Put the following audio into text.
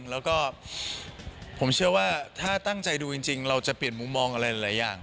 แล้วก็ผมเชื่อว่าถ้าตั้งใจดูจริงเราจะเปลี่ยนมุมมองอะไรหลายอย่าง